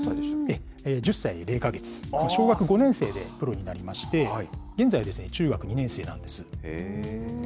１０歳０か月、小学５年生でプロになりまして、現在は中学２年生なんです。